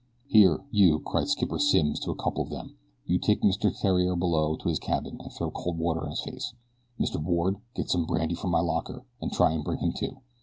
"Here you," cried Skipper Simms to a couple of them; "you take Mr. Theriere below to his cabin, an' throw cold water in his face. Mr. Ward, get some brandy from my locker, an' try an' bring him to.